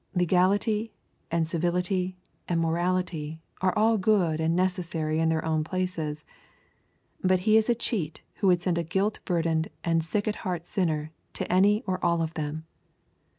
Legality and Civility and Morality are all good and necessary in their own places; but he is a cheat who would send a guilt burdened and sick at heart sinner to any or all of them.